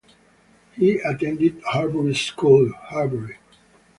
He attended Horbury School, Horbury.